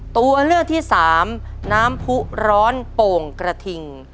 ตัวเลือกที่สามน้ำผู้ร้อนโป่งกระทิง